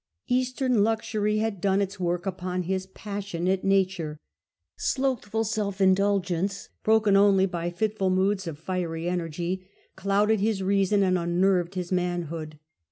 Eastern luxury had done its work upon his passionate nature. Slothful self indulgence, broken only by fitful moods of fiery energy, clouded his reason and unnerved his manhood.